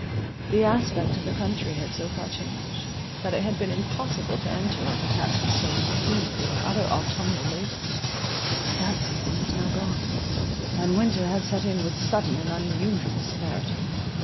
The aspect of the country had so far changed, that it had been impossible to enter on the task of sowing seed, and other autumnal labours. That season was now gone; and winter had set in with sudden and unusual severity.